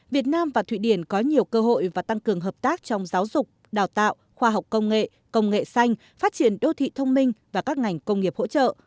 việt nam và thụy điển có nhiều cơ hội và tăng cường hợp tác trong giáo dục đào tạo khoa học công nghệ công nghệ xanh phát triển đô thị thông minh và các ngành công nghiệp hỗ trợ